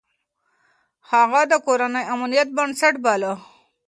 هغه د کورنۍ امنيت بنسټ باله.